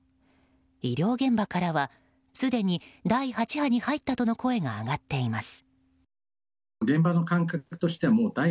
医療現場からはすでに第８波に入ったとの声が上がっています。